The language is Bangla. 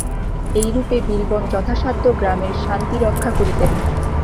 এইরূপে বিল্বন যথাসাধ্য গ্রামের শান্তি রক্ষা করিতেন।